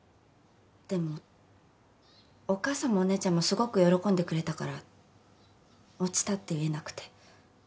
でもお母さんもお姉ちゃんもすごく喜んでくれたから落ちたって言えなくて。